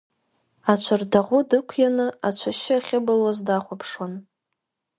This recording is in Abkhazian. Ацәарҭаӷәы дықәианы, ацәашьы ахьыбылуаз дахәаԥшуан.